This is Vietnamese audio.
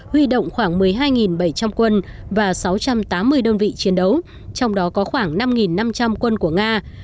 bảy trăm linh quân và sáu trăm tám mươi đơn vị chiến đấu trong đó có khoảng năm năm trăm linh quân của nga